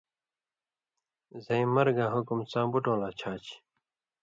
زَیں مرگاں حُکُم څاں بُٹؤں لا چھا چھی،